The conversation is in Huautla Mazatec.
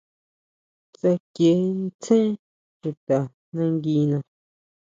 Tsákie tsjen chuta nanguina.